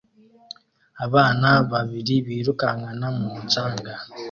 Abana babiri birukankana mumucanga